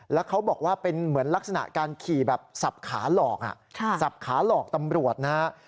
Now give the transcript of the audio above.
แล้วเขาบอกว่าเป็นเหมือนลักษณะการขี่แบบสับขาหลอกสับขาหลอกตำรวจนะฮะ